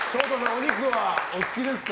お肉はお好きですか？